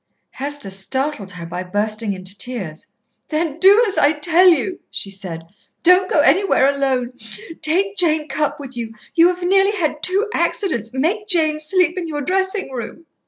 Hester startled her by bursting into tears. "Then do as I tell you," she said. "Don't go anywhere alone. Take Jane Cupp with you. You have nearly had two accidents. Make Jane sleep in your dressing room."